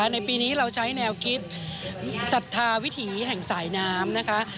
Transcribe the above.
ในปีนี้เราใช้แนวคิดสัตวิถีแห่งสายน้ำ